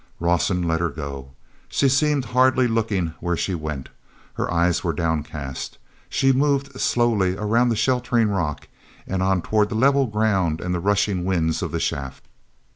awson let her go. She seemed hardly looking where she went; her eyes were downcast. She moved slowly around the sheltering rock and on toward the level ground and the rushing winds of the shaft.